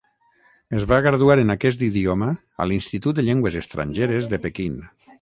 Es va graduar en aquest idioma a l'Institut de Llengües estrangeres de Pequín.